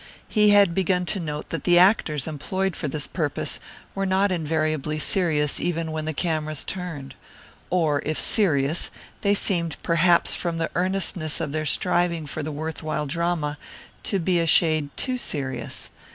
He had begun to note that the actors employed for this purpose were not invariably serious even when the cameras turned. Or, if serious, they seemed perhaps from the earnestness of their striving for the worth while drama, to be a shade too serious.